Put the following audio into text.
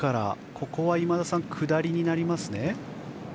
ここは今田さん下りになりますね。